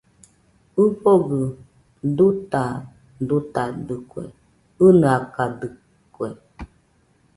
ɨfogɨ dutadutadɨkue, ɨnɨakadɨkue